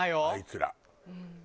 あいつら。